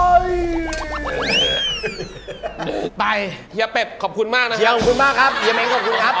อ้าวไปเฮียเป็ดขอบคุณมากนะครับขอบคุณมากครับแม่งขอบคุณครับ